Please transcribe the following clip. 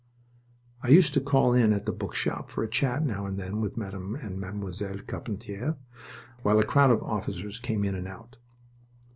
I used to call in at the bookshop for a chat now and then with Madame and Mademoiselle Carpentier, while a crowd of officers came in and out.